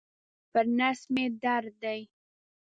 پر نس مي درد دی.